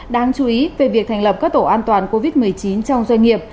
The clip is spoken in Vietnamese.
đáng chú ý về việc thành lập các tổ an toàn covid một mươi chín trong doanh nghiệp